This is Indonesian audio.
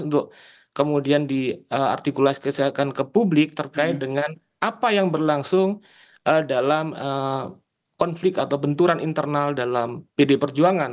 untuk kemudian diartikulasi kesehatan ke publik terkait dengan apa yang berlangsung dalam konflik atau benturan internal dalam pd perjuangan